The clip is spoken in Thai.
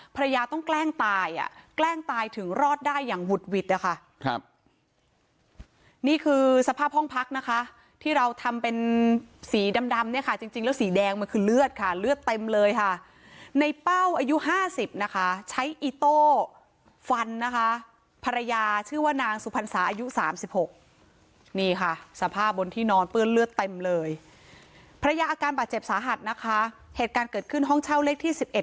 ภรรยาต้องแกล้งตายอ่ะแกล้งตายถึงรอดได้อย่างหุดหวิดนะคะครับนี่คือสภาพห้องพักนะคะที่เราทำเป็นสีดำดำเนี้ยค่ะจริงจริงแล้วสีแดงมันคือเลือดค่ะเลือดเต็มเลยค่ะในเป้าอายุห้าสิบนะคะใช้อิโต้ฟันนะคะภรรยาชื่อว่านางสุพรรษาอายุสามสิบหกนี่ค่ะสภาพบนที่นอนเปื้อนเลือดเต็มเลย